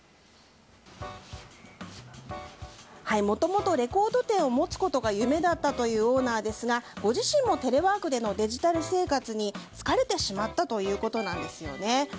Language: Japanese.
もともとレコード店を持つことが夢だったというオーナーですがご自身もテレワークでのデジタル生活に疲れてしまったということなんです。